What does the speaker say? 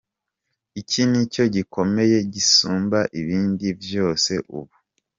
Iki ni co gikomeye gisumba ibindi vyose ubu.